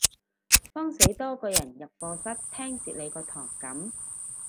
慌死多個人入課室聽蝕你嗰堂噉